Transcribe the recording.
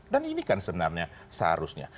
dan ini kan sebenarnya seharusnya